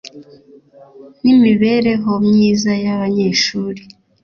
n imibereho myiza y abanyeshuri